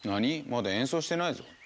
まだ演奏してないぞ。